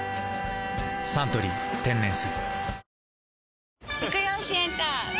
「サントリー天然水」